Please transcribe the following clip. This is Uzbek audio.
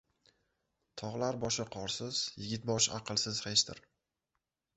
• Tog‘lar boshi qorsiz, yigit boshi aqlsiz hechdir.